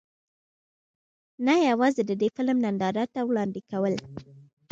نۀ يواځې د دې فلم نندارې ته وړاندې کول